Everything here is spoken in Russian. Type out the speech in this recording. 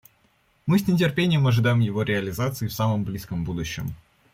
Мы с нетерпением ожидаем его реализации в самом близком будущем.